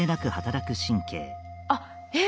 あっえっ